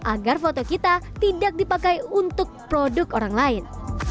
agar foto kita tidak dipakai untuk produk orang lain